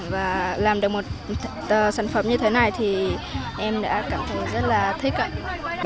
và làm được một sản phẩm như thế này thì em đã cảm thấy rất là thích cận